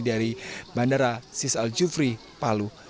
dari bandara sisal jufri palu